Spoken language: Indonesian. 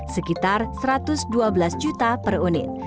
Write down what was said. sekitar satu ratus dua belas juta per unit